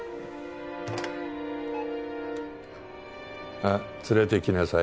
あっ連れてきなさい。